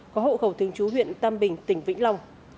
có hộ khẩu thường trú huyện tam bình tỉnh vĩnh long